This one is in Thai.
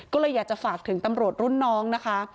ก็เลยอยากจะฝากถึงตำรวจรุ่นน้องนะคะ